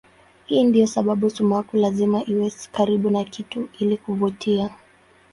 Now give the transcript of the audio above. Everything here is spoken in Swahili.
Hii ndiyo sababu sumaku lazima iwe karibu na kitu ili kuvutia.